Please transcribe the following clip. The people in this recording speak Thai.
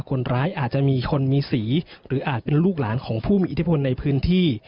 คนร้ายอาจจะมีคนมีสีหรืออาจเป็นลูกหลานของผู้มีอิทธิพลในพื้นที่